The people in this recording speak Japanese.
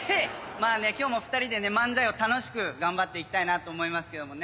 まぁね今日も２人でね漫才を楽しく頑張っていきたいなと思いますけどもね。